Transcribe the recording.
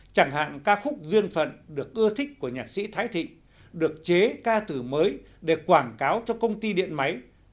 chẳng hạn ca khúc duyên phận được ưa thích của nhạc sĩ thái thịnh được chế ca từ mới cho ca khúc thể hiện trong quảng cáo sản phẩm phát trên sóng phát thanh truyền hình và các nền tảng mạng